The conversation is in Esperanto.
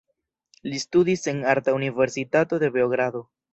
Li studis en arta universitato de Beogrado.